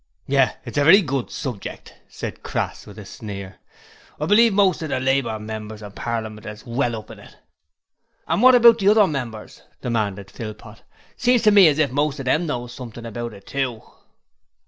'Yes, it's a very good subject,' said Crass, with a sneer. 'I believe most of the Labour Members in Parliament is well up in it.' 'And wot about the other members?' demanded Philpot. 'Seems to me as if most of them knows something about it too.'